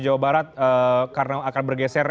jawa barat karena akan bergeser